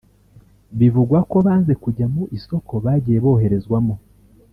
bivugwa ko banze kujya mu isoko bagiye boherezwamo